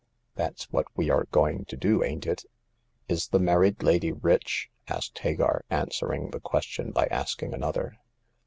That's what we are going to do, ain't it ?" "Is the married lady rich?'* asked Hagar, answering the question by asking another.